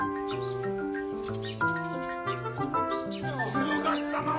すごがったなあ。